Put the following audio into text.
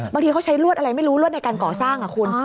บางทีเขาใช้ลวดอะไรไม่รู้รวดในการก่อสร้างคุณ